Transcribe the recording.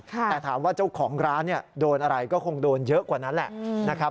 แต่ถามว่าเจ้าของร้านโดนอะไรก็คงโดนเยอะกว่านั้นแหละนะครับ